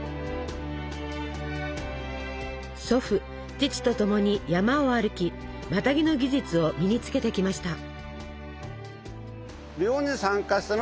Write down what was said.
祖父父と共に山を歩きマタギの技術を身につけてきました。